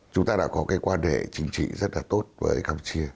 chúng ta đã có cái quan hệ chính trị rất là tốt với campuchia